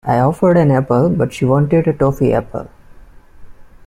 I offered an apple, but she wanted a toffee apple.